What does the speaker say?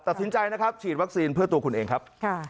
ตัดสินใจนะครับฉีดวัคซีนเพื่อตัวคุณเองครับ